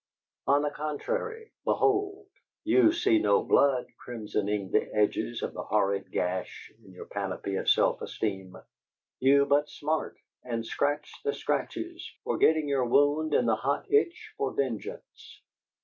On the contrary, behold: you see no blood crimsoning the edges of the horrid gash in your panoply of self esteem: you but smart and scratch the scratches, forgetting your wound in the hot itch for vengeance.